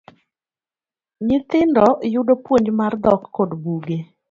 Nyithindo yudo puonj mar dhok kod buge.